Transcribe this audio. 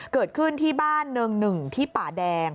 เกิดขึ้นที่บ้านเนินหนึ่งที่ป่าแดง